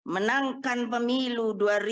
menangkan pemilu dua ribu dua puluh